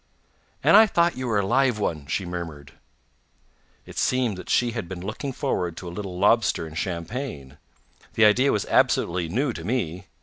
"And I thought you were a live one!" she murmured. It seemed that she had been looking forward to a little lobster and champagne. The idea was absolutely new to me.